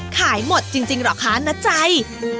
หมดจริงเหรอคะณใจ